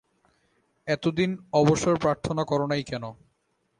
এতদিন অবসর প্রার্থনা কর নাই কেন?